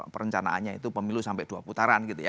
perencanaannya itu pemilu sampai dua puluh tahun